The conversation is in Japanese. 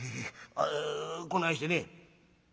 ああこないしてね」。